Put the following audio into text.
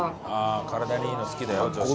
体にいいの好きだよ女子は。